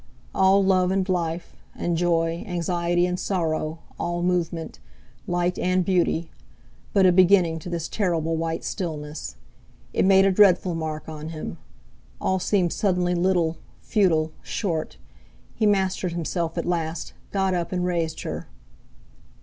All love and life, and joy, anxiety, and sorrow, all movement, light and beauty, but a beginning to this terrible white stillness. It made a dreadful mark on him; all seemed suddenly little, futile, short. He mastered himself at last, got up, and raised her.